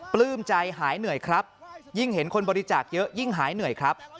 ปลื้มใจหายเหนื่อยครับยิ่งเห็นคนบริจาคเยอะยิ่งหายเหนื่อยครับ